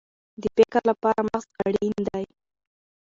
د فکر لپاره مغز اړین دی